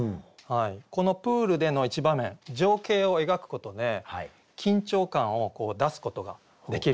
このプールでの一場面情景を描くことで緊張感を出すことができるんですね。